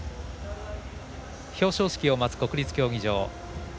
表彰式を待つ、国立競技場。